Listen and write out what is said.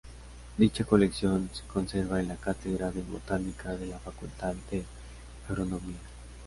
Dicha colección se conserva en la Cátedra de Botánica de la Facultad de Agronomía.